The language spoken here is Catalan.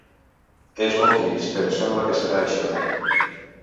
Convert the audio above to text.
És molt trist, però sembla que serà això.